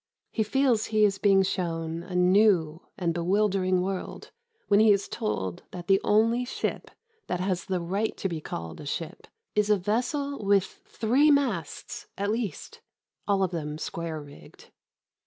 He feels he is being shown a new and bewildering world when he is told that the only ship that has the right to be called a ship is a vessel with three masts (at least), all of them square rigged.